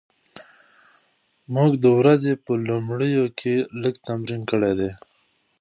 موږ د ورځې په لومړیو کې لږ تمرین کړی دی.